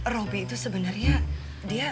robby itu sebenarnya dia